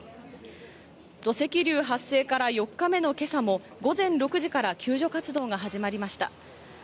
土石流発生から４日目の今朝も午前６時から救助活動が始まりました。